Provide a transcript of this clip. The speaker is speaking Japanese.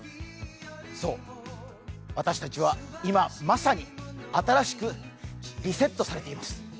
そう、私たちは今まさに新しくリセットされています。